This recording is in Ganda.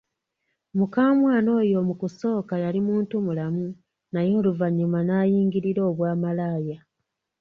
Mukamwana oyo mu kusooka yali muntu mulamu naye oluvanyuma nayingirira obwamalaaya.